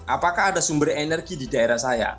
apakah ada sumber energi di daerah saya